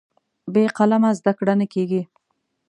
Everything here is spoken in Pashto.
بې قلمه زده کړه نه کېږي.